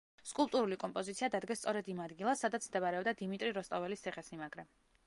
სკულპტურული კომპოზიცია დადგეს სწორედ იმ ადგილას სადაც მდებარეობდა დიმიტრი როსტოველის ციხესიმაგრე.